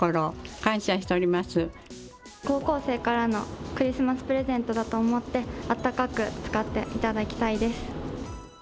高校生からのクリスマスプレゼントだと思って、あったかく使っていただきたいです。